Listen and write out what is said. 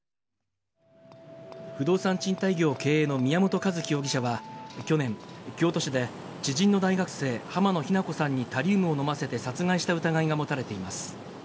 不動産賃貸業経営の宮本一希容疑者は、去年、京都市で知人の大学生、濱野日菜子さんにタリウムを飲ませて殺害した疑いが持たれています。